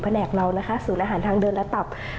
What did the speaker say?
แหนกเรานะคะศูนย์อาหารทางเดินระดับ